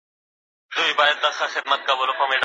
ماشومانو ته د اوبو د لښتیو ننداره وښایئ.